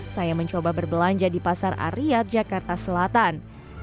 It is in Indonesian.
saya mencoba berbelanja di pasar ariyat jakarta selatan